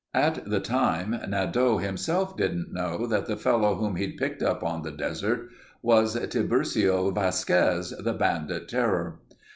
At the time, Nadeau himself didn't know that the fellow whom he'd picked up on the desert was Tiburcio Vasquez, the bandit terror.